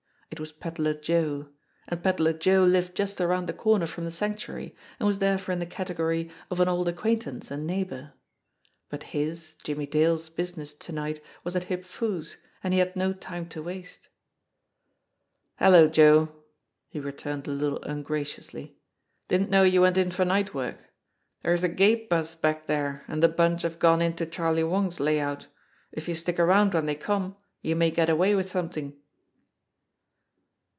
It was Pedler Joe, and Pedler Joe lived just around the corner from the Sanctuary and was therefore in the category of an old acquaintance and neighbour; but his, Jimmie Dale's, busi ness to night was at Hip Foo's, and he had no time to waste "Hello, Joe!" he returned a little ungraciously. "Didn't know you went in for night work. There's a gape bus back there, and the bunch have gone into Charlie Wong's lay out. If you stick around when they come you may get away with something."